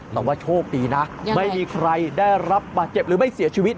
แต่ว่าโชคดีนะไม่มีใครได้รับบาดเจ็บหรือไม่เสียชีวิต